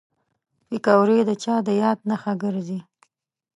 پکورې د چا د یاد نښه ګرځي